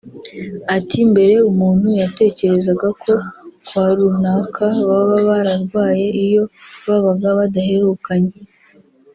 Ati “Mbere umuntu yatekerezaga ko kwa runaka baba bararwaye iyo babaga badaherukanye